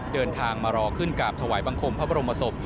เดินทางมารอขึ้นกราบถวายบังคมพระบรมศพ